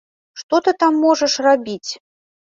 Што ты там можаш рабіць?